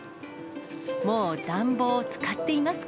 もう暖房を使っていますか？